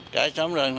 cả xóm rồi